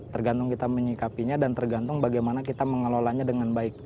tergantung kita menyikapinya dan tergantung bagaimana kita mengelolanya dengan baik